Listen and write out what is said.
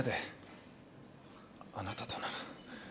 あなたとなら。